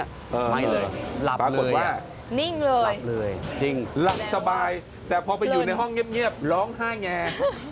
ไม่หยุดหลับเลยจริงหลับสบายแต่พอไปอยู่ในห้องเงียบร้องห้ะแง